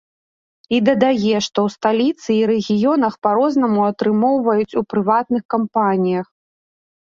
І дадае, што ў сталіцы і рэгіёнах па рознаму атрымоўваюць у прыватных кампаніях.